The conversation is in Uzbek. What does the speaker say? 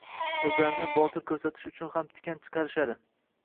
O‘zlarini botir ko‘rsatish uchun ham tikan chiqarishadi.